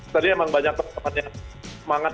tadi emang banyak teman teman yang semangat